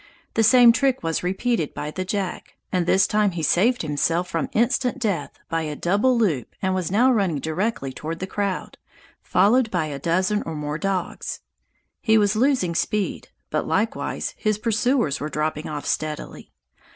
The same trick was repeated by the Jack, and this time he saved himself from instant death by a double loop and was now running directly toward the crowd, followed by a dozen or more dogs. He was losing speed, but likewise his pursuers were dropping off steadily.